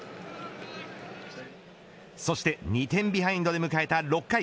そして２点ビハインドで迎えた６回。